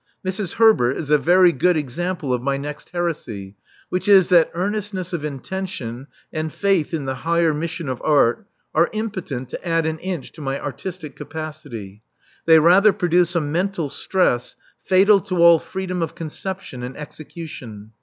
*' Mrs. Herbert is a very good example of my next heresy, which is, that earnestness of intention, and faith in the higher mission of art,' are impotent to add an inch to my artistic capacity. They rather produce a mental stress fatal to all freedom of conception and execution.